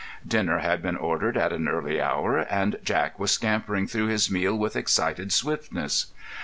Dinner had been ordered at an early hour, and Jack was scampering through his meal with excited swiftness.